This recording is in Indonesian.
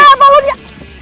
aaah apa lo dia